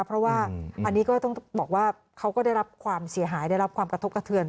เพราะว่าอันนี้ก็ต้องบอกว่าเขาก็ได้รับความเสียหายได้รับความกระทบกระเทือน